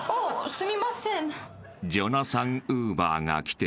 すみません。